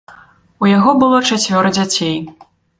У яго было чацвёра дзяцей.